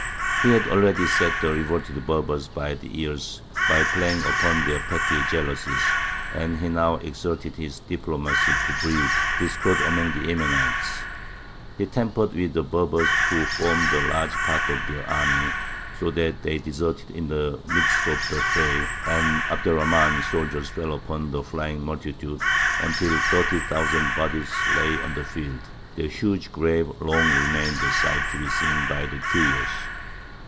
He had already set the revolted Berbers by the ears by playing upon their petty jealousies; and he now exerted his diplomacy to breed discord among the Yemenites. He tampered with the Berbers who formed a large part of their army, so that they deserted in the midst of the fray, and Abd er Rahmān's soldiers fell upon the flying multitude, until thirty thousand bodies lay on the field: their huge grave long remained a sight to be seen by the curious.